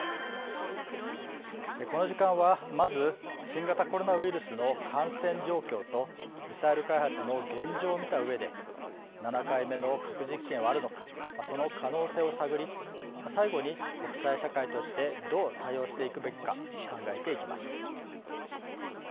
この時間はまず新型コロナウイルスの感染状況とミサイル開発の現状を見たうえで７回目の核実験はあるのかその可能性を探り最後に国際社会としてどう対応していくべきか考えていきます。